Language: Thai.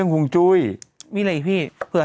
เป็นการกระตุ้นการไหลเวียนของเลือด